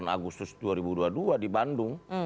dua puluh delapan agustus dua ribu dua puluh dua di bandung